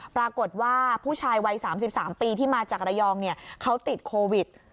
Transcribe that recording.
ปรากฏว่าผู้ชายวัย๓๓ปีที่มาจากระยองเขาติดโควิด